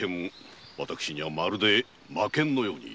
私にはまるで魔剣のように。